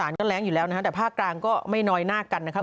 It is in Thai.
ภาคอีสานก็แรงอยู่แล้วนะครับแต่ภาคกลางก็ไม่นอยนาดกันนะครับ